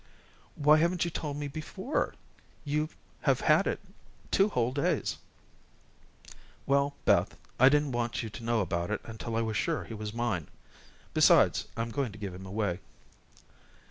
"Why haven't you told me before? You have had it two whole days." "Well, Beth, I didn't want you to know about it until I was sure he was mine. Besides, I'm going to give him away."